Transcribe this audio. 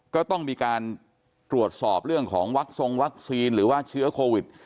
ก็ต้องมีการตรวจสอบเรื่องของวักทรงวัคซีนหรือว่าเชื้อโควิด